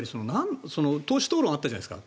党首討論があったじゃないですか。